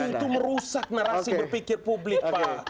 itu merusak narasi berpikir publik pak